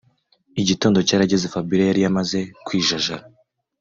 Igitondo cyarageze Fabiora yari yamaze kwijajara